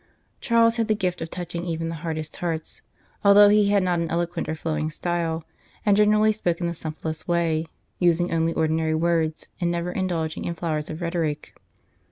Charles had the gift of touching even the hardest hearts, although he had not an eloquent or flowing style, and generally spoke in the simplest way, using only ordinary words and never indulging in flowers of rhetoric.